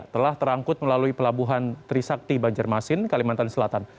telah terangkut melalui pelabuhan trisakti banjarmasin kalimantan selatan